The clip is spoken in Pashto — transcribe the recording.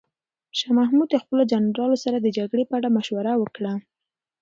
شاه محمود د خپلو جنرالانو سره د جګړې په اړه مشوره وکړه.